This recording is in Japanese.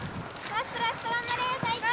ラストラスト頑張れ大輝！